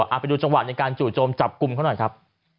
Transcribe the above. เอาไปดูจังหวะในการจู่โจมจับกลุ่มเขาหน่อยครับ